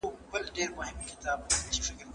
¬ د توري ټپ ښه کېږي، د ژبي ټپ نه ښه کېږي.